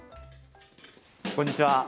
こんにちは。